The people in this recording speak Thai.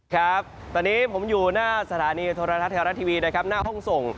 ครับตอนนี้ผมอยู่หน้าสถานีโทรทัศน์ไทยรัฐทีวีนะครับหน้าห้องส่ง